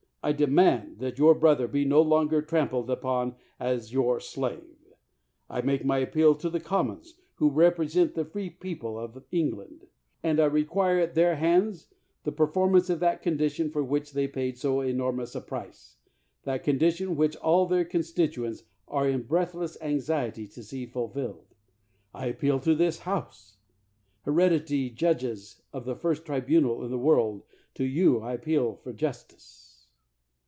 I demand that your brother be no longer tram pled upon as your slave I I make my appeal to the Commons, who represent the free people of England, and I require at their hands the per 148 BROUGHAM formance of that condition for which they paid so enormous a price — that condition which all their constituents are in breathless anxiety to see fulfilled! I appeal to this House! Hered itary judges of the first tribunal in the world, to you I appeal for justice!